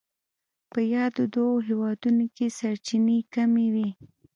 په یادو دوو هېوادونو کې سرچینې کمې وې.